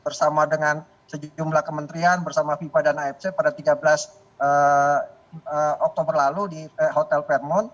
bersama dengan sejumlah kementerian bersama fifa dan afc pada tiga belas oktober lalu di hotel fairmont